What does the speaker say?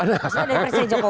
ternyata dari persia jokowi